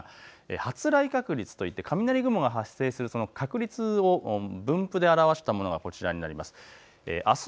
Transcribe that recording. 発雷確率といって雷雲が発生する確率を分布で表したものです。